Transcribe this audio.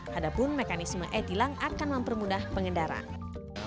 hadapun mekanisme e tilang akan mempermudah pengendara